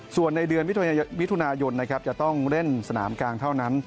ส่วนในเดือนมิถุนายนจะต้องเล่นสนามกลางเท่านั้น